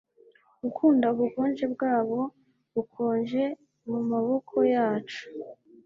Gukunda ubukonje bwabo bukonje mumaboko yacu